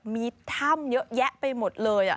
มีถ้ำเยอะแยะไปหมดเลย